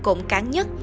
cộng cán nhất